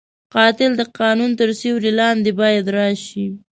قاتل د قانون تر سیوري لاندې باید راشي